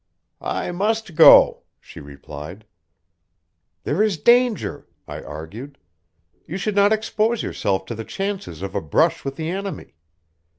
"I must go," she replied. "There is danger," I argued. "You should not expose yourself to the chances of a brush with the enemy.